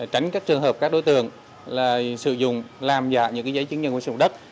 tránh các trường hợp các đối tượng sử dụng làm giả những giấy chứng nhận nguồn sử dụng đất